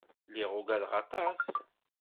Lliɣ uggadeɣ aṭas.